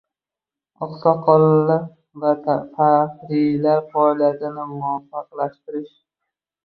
Oqsoqollar va faxriylar faoliyatini muvofiqlashtirish